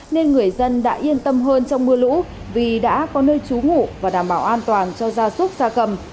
nên người dân đã yên tâm hơn trong mưa lũ vì đã có nơi trú ngủ và đảm bảo an toàn cho gia súc gia cầm